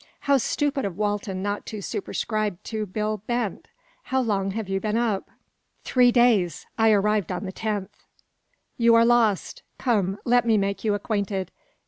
How stupid of Walton not to superscribe to Bill Bent! How long have you been up?" "Three days. I arrived on the 10th." "You are lost. Come, let me make you acquainted.